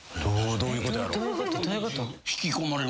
どういうことやろ。